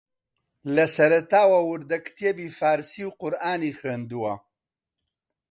لە سەرەتاوە وردەکتێبی فارسی و قورئانی خوێندووە